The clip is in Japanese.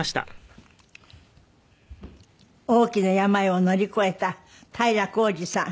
大きな病を乗り越えた平浩二さん。